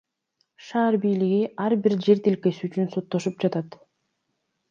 Шаар бийлиги ар бир жер тилкеси үчүн соттошуп жатат.